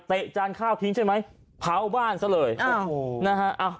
จานข้าวทิ้งใช่ไหมเผาบ้านซะเลยโอ้โหนะฮะ